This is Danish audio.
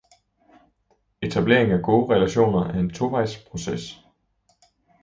Etableringen af gode relationer er en tovejs proces.